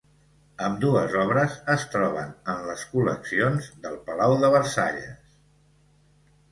Ambdues obres es troben en les col·leccions del palau de Versalles.